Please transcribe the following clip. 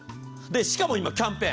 しかも今キャンペーン。